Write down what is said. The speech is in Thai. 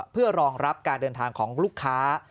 เพื่อรองรับการเดินทางของลูกค้า